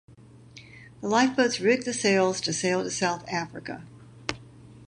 The lifeboats rigged the sails to sail to South Africa.